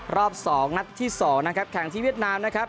รอบ๒นัดที่๒นะครับแข่งที่เวียดนามนะครับ